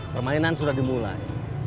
permainan sudah dimulai